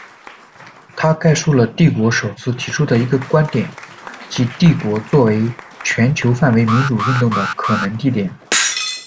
它概述了《帝国》首次提出的一个观点，即帝国作为全球范围民主运动的可能地点。